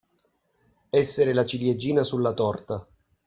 Essere la ciliegina sulla torta.